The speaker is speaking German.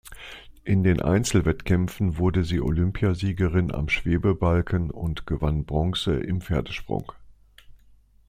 In den Einzelwettkämpfen wurde sie Olympiasiegerin am Schwebebalken und gewann Bronze im Pferdsprung.